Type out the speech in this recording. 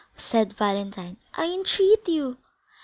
said Valentine; "I entreat you."